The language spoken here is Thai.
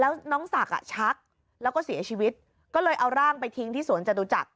แล้วน้องศักดิ์อ่ะชักแล้วก็เสียชีวิตก็เลยเอาร่างไปทิ้งที่สวนจตุจักร